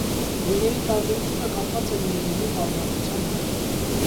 Գույների տարբերությունը կապված է միելինի պարունակության հետ։